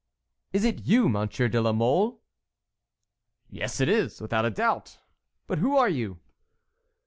"Is it you, Monsieur de la Mole?" "Yes, it is I, without a doubt. But who are you?"